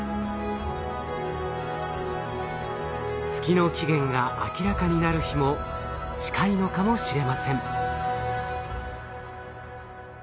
月の起源が明らかになる日も近いのかもしれません。